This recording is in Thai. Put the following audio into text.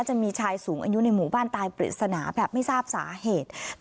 จะมีชายสูงอายุในหมู่บ้านตายปริศนาแบบไม่ทราบสาเหตุ